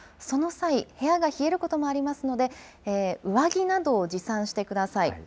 その際、部屋が冷えることもありますので、上着などを持参してください。